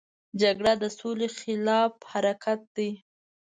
جګړه د سولې خلاف حرکت دی